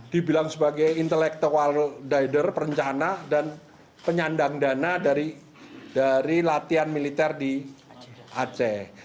dibilang sebagai intellectual dider perencana dan penyandang dana dari latihan militer di aceh